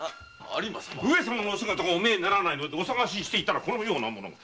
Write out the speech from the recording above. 上様のお姿がお見えにならぬのでお探ししたらこのようなものが。